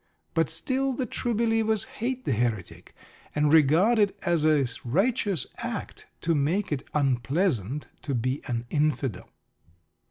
But still the True Believers hate the Heretic and regard it as a righteous act to make it "unpleasant" to be an "Infidel."